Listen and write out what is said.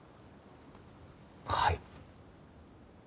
はい。